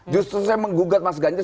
justru saya menggugat mas ganjar